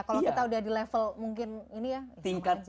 kalau kita udah di level mungkin ini ya